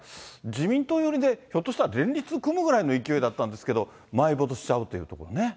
自民党寄りで、ひょっとしたら連立組むくらいの勢いだったんですけど、埋没しちゃうということはね。